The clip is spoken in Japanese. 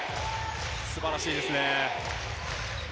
素晴らしいですね。